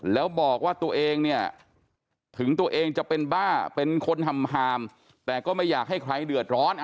แล้วบอกว่าตัวเองเนี่ยถึงตัวเองจะเป็นบ้าเป็นคนหามแต่ก็ไม่อยากให้ใครเดือดร้อน